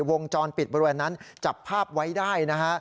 วงจรปิดบริเวณนั้นจับภาพไว้ได้นะฮะ